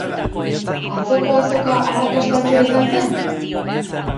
Atzoko azoka arrakastatsua izan zen?